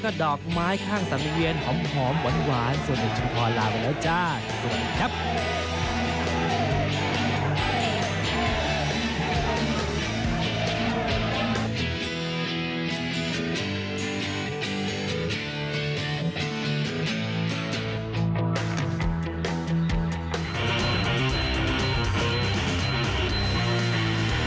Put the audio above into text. โปรดติดตามตอนต่อไป